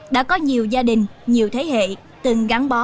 đã có nhiều gia đình nhiều thế hệ từng gắn bó